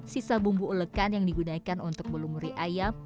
sisa bumbu ulekan yang digunakan untuk melumuri ayam